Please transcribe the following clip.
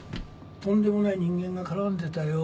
とんでもない人間が絡んでたよ。